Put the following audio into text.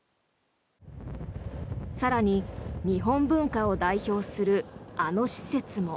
更に、日本文化を代表するあの施設も。